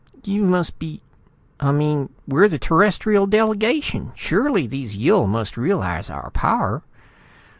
"You must be.... I mean, we're the Terrestrial delegation! Surely these Yill must realize our power."